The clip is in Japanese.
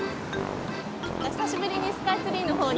久しぶりにスカイツリーの方に。